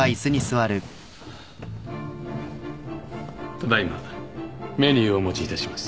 ただ今メニューをお持ちいたします。